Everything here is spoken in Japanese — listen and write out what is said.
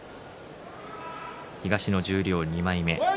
東の十両２枚目。